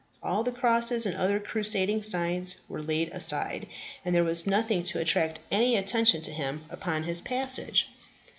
All the crosses and other crusading signs were laid aside, and there was nothing to attract any attention to him upon his passage.